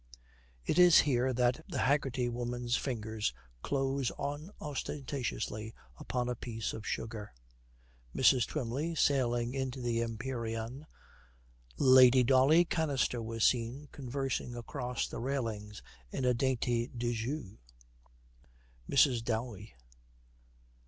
It is here that the Haggerty Woman's fingers close unostentatiously upon a piece of sugar. MRS. TWYMLEY, sailing into the Empyrean, 'Lady Dolly Kanister was seen conversing across the railings in a dainty de jou.' MRS. DOWEY.